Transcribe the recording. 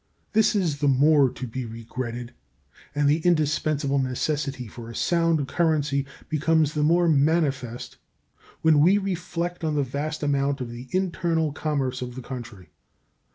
This is the more to be regretted and the indispensable necessity for a sound currency becomes the more manifest when we reflect on the vast amount of the internal commerce of the country.